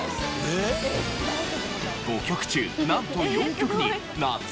５曲中なんと４曲に「夏」の文字が。